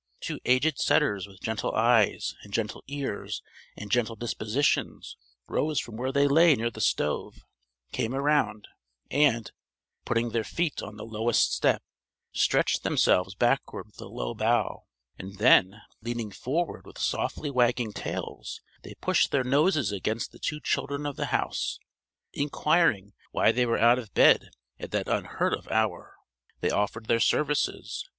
Two aged setters with gentle eyes and gentle ears and gentle dispositions rose from where they lay near the stove, came around, and, putting their feet on the lowest step, stretched themselves backward with a low bow, and then, leaning forward with softly wagging tails, they pushed their noses against the two children of the house, inquiring why they were out of bed at that unheard of hour: they offered their services.